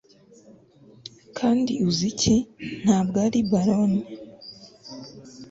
kandi uzi iki? ntabwo ari baloney